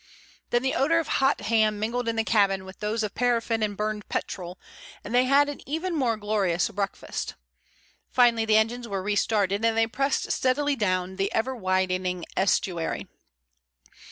Then the odor of hot ham mingled in the cabin with those of paraffin and burned petrol, and they had an even more glorious breakfast. Finally the engines were restarted, and they pressed steadily down the ever widening estuary.